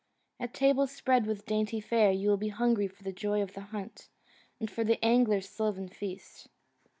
At tables spread with dainty fare you will be hungry for the joy of the hunt, and for the angler's sylvan feast.